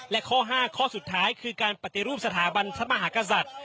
และข้อ๕ข้อสุดท้ายคือการปฏิรูปสถาบันพระมหากษัตริย์